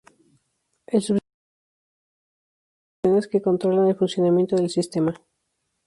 El subsistema de memoria almacena las instrucciones que controlan el funcionamiento del sistema.